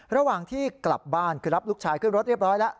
ระหว่างที่กลับบ้านคือรับลูกชายขึ้นรถเรียบร้อยแล้ว